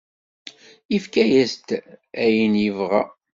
Yefka-as-d ayen yebɣa.